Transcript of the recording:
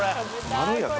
まろやか